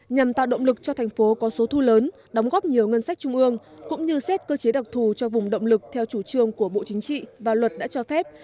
nhằm tạo động lực cho thành phố có số thu lớn đóng góp nhiều ngân sách trung ương cũng như xét cơ chế đặc thù cho vùng động lực theo chủ trương của bộ chính trị và luật đã cho phép